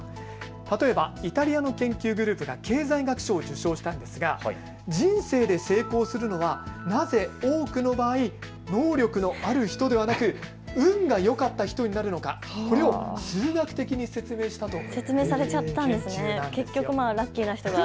例えばイタリアの研究グループが経済学賞を受賞したのですが人生で成功するのはなぜ多くの場合、能力のある人ではなく運がよかった人になるのかこれを経営学的に説明したということです。